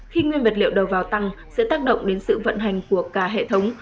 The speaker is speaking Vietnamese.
khi nguyên vật liệu đầu vào tăng sẽ tác động đến sự vận hành của cả hệ thống